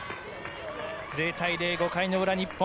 ０対０、５回の裏、日本。